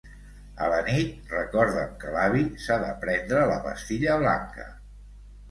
A la nit recorda'm que l'avi s'ha de prendre la pastilla blanca.